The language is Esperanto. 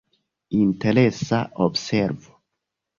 Interesa observo.